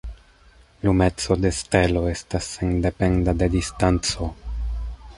Lumeco de stelo estas sendependa de distanco.